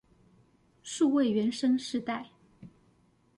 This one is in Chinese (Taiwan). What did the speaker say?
數位原生世代